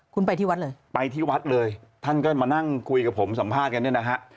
คุณไปที่วัดเลยไปที่วัดเลยท่านก็มานั่งคุยกับผมสัมภาษณ์กันเนี่ยนะฮะ